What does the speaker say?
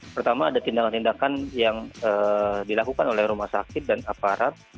pertama ada tindakan tindakan yang dilakukan oleh rumah sakit dan aparat